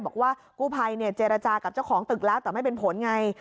บอกว่ากู้ภัยเจรจากับเจ้าของตึกแล้วแต่ไม่เป็นผลไง